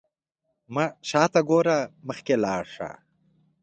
مه شاته ګوره، مخکې لاړ شه.